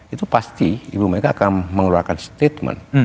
itu pasti ibu mega akan mengeluarkan statement